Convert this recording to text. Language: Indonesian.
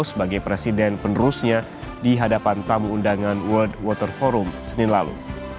sebagai presiden penerusnya di hadapan tamu undangan world water forum senin lalu